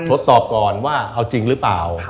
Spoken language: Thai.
ทดสอบก่อนว่าเอาจริงหรือเปล่า